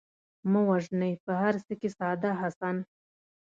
مه وژنئ په هر څه کې ساده حسن